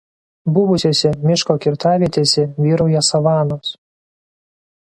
Buvusiose miško kirtavietėse vyrauja savanos.